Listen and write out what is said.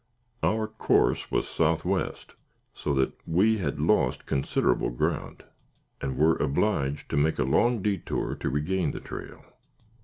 Our course was southwest; so that we had lost considerable ground, and were obliged to make a long detour to regain the trail.